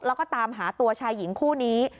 แล้วก็ตามหาตัวชายหญิงคู่นี้